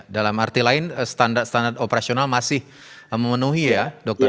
dalam arti lain standar standar operasional masih memenuhi ya dokter